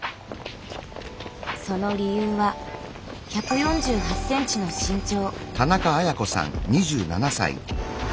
その理由は１４８ｃｍの身長。